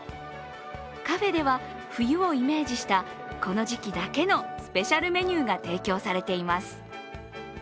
カフェでは冬をイメージした、この時期だけのスペシャルメニューが提供されています。